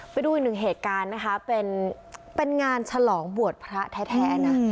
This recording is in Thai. ไปดูอีกหนึ่งเหตุการณ์นะคะเป็นงานฉลองบวชพระแท้นะ